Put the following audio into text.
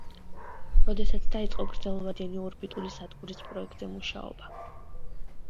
როდესაც დაიწყო გრძელვადიანი ორბიტული სადგურის პროექტზე მუშაობა.